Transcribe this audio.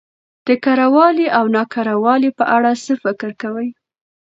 د کره والي او نا کره والي په اړه څه فکر کوؽ